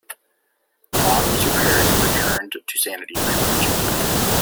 Brawn was repaired and returned to sanity by Ratchet.